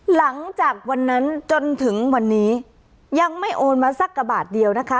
หลังจากวันนั้นจนถึงวันนี้ยังไม่โอนมาสักกระบาทเดียวนะคะ